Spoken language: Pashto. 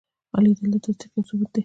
لیدل د تصدیق یو ثبوت دی